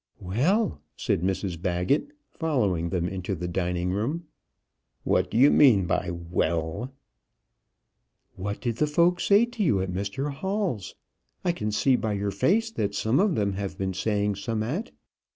"Well!" said Mrs Baggett, following them into the dining room. "What do you mean by 'well'?" "What did the folks say to you at Mr Hall's? I can see by your face that some of them have been saying summat."